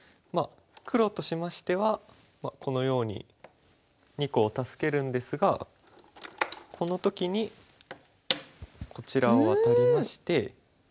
まあ黒としましてはこのように２個を助けるんですがこの時にこちらをワタりまして。